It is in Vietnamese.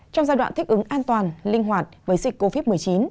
trong giai đoạn thích ứng an toàn linh hoạt với dịch covid một mươi chín